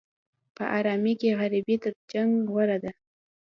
په ارامۍ کې غریبي تر جنګ غوره ده.